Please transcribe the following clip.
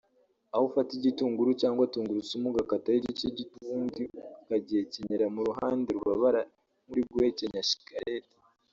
aha ufata igitunguru cyangwa tungurusumu ugakataho igice gito ubundi ukagihekenyera mu ruhande rubabara nkuri guhekenya shikarete